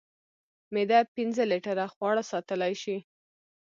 معده پنځه لیټره خواړه ساتلی شي.